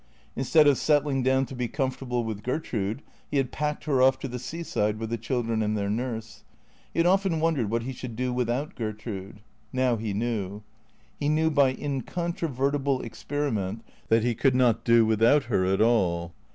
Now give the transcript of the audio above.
Instead of settling down to be comfortable with Gertrude, he had packed her off to the seaside with the children and their nurse. He had often wondered what he should do without Gertrude. Now he knew. He knew by incontrovertible experiment that he could not do without her at all.